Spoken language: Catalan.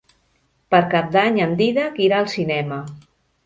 Per Cap d'Any en Dídac irà al cinema.